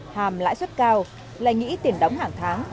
hàm lãi suất cao lại nghĩ tiền đóng hàng tháng